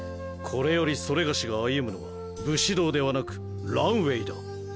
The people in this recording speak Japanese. これよりそれがしが歩むのは武士道ではなくランウェイだ。